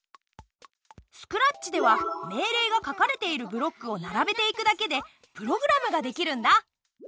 スクラッチでは命令が書かれているブロックをならべていくだけでプログラムができるんだ。